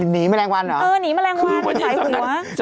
หนีแมลงวันเหรอเออหนีแมลงวันไหนกับหนู